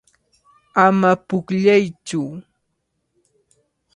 Ama pukllaytsu.